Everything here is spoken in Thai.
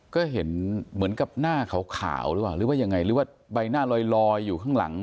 ก็เห็นเหมือนกับหน้าขาวหรือเปล่าหรือว่ายังไงหรือว่าใบหน้าลอยอยู่ข้างหลัง